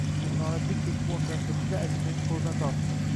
Gulnora dik etib oʼrnidan turdi-da, Аzizaning qoʼlidan tortdi: